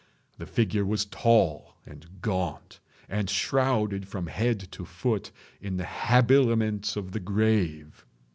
The figure was tall and gaunt, and shrouded from head to foot in the habiliments of the grave.